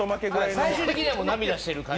最終的には涙している感じ。